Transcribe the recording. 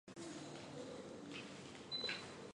条裂叶报春为报春花科报春花属下的一个种。